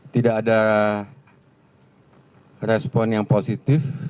tidak ada respon yang positif